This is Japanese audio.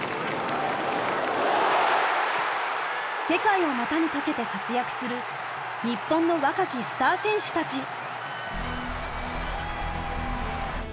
世界を股にかけて活躍する日本の若きスター選手たち。